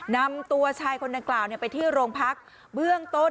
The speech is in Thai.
นำตัวชายคนดังกล่าวไปที่โรงพักเบื้องต้น